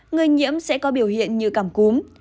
người nhiễm sẽ có biểu hiện như cảm cúm